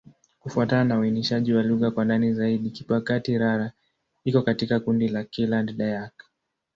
Kufuatana na uainishaji wa lugha kwa ndani zaidi, Kibakati'-Rara iko katika kundi la Kiland-Dayak.